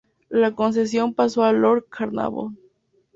La concesión pasó a Lord Carnarvon.